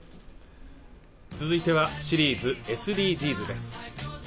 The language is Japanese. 続いてはシリーズ「ＳＤＧｓ」です